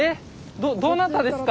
どどなたですか？